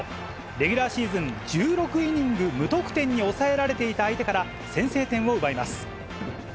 レギュラーシーズン１６イニング無得点に抑えられていた相手から、先制点を奪います。